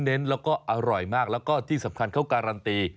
เน้นแล้วก็อร่อยมากแล้วก็ที่สำคัญเขาการันตี